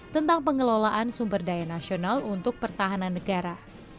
tentang pengelolaan sumber daya nasional untuk pertahanan negara